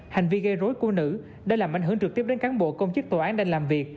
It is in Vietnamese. hành vi gây rối của nữ đã làm ảnh hưởng trực tiếp đến cán bộ công chức tòa án đang làm việc